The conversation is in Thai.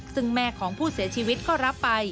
ซึ่งแม่ของผู้เสียชีวิตก็รับไป